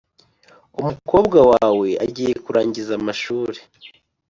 Umukobwa wawe agiye kurangiza amashuri